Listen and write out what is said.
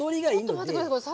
ちょっと待って下さい。